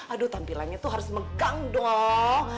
aduh tampilannya tuh harus mengkang dong